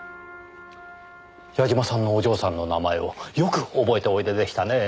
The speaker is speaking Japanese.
矢嶋さんのお嬢さんの名前をよく覚えておいででしたね。